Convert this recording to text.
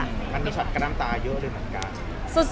คันนี้ชัดกับน้ำตาเยอะเลยเหมือนกัน